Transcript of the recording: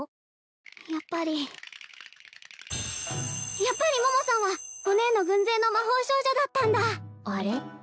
やっぱりやっぱり桃さんはお姉の軍勢の魔法少女だったんだあれ？